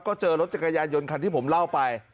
ก็เจอรถจักรยานยนต์คันที่ผมเล่าไป